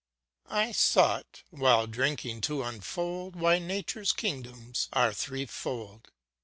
I SOUGHT, while drinking, to unfold Why nature's kingdoms are three fold.